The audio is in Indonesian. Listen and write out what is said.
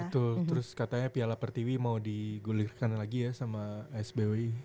betul terus katanya piala pertiwi mau digulirkan lagi ya sama sbwi